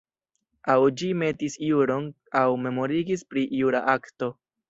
Aŭ ĝi metis juron aŭ memorigis pri jura akto.